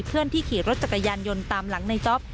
เพื่อนที่ขี่รถจักรยานยนต์ตามหลังในจ๊อป